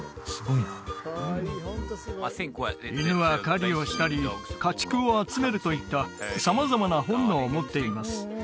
犬は狩りをしたり家畜を集めるといった様々な本能を持っています